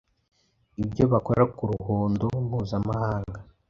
ibyo bakora ku ruhando mpuzamahanga